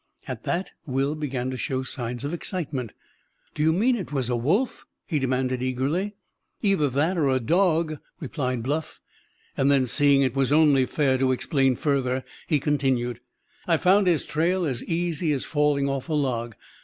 At that, Will began to show signs of excitement. "Do you mean it was a wolf?" he demanded eagerly. "Either that or a dog," replied Bluff; and then seeing that it was only fair to explain further, he continued: "I found his trail as easy as falling off a log.